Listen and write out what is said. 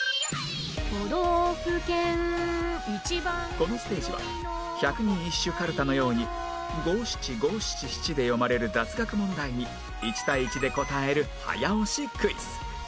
このステージは百人一首かるたのように五七五七七で読まれる雑学問題に１対１で答える早押しクイズ